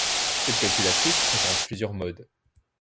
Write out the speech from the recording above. Cette calculatrice présente plusieurs modes.